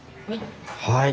はい。